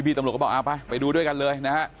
ตำรวจก็บอกเอาไปไปดูด้วยกันเลยนะฮะ